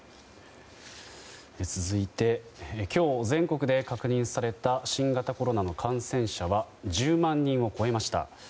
続いて、今日全国で確認された新型コロナの感染者は１０万人を超えました。